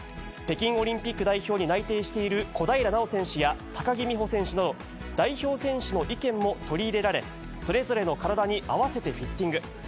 北京オリンピック代表に内定している小平奈緒選手や高木美帆選手など、代表選手の意見も取り入れられ、それぞれの体に合わせてフィッティング。